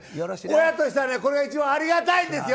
親としたらこれが一番ありがたいんですよ。